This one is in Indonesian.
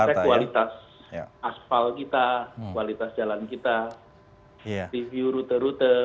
aspek kualitas asfal kita kualitas jalan kita review rute rute